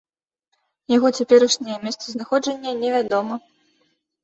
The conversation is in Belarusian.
Яго цяперашняе месцазнаходжанне невядома.